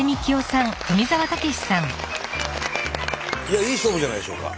いやいい勝負じゃないでしょうか。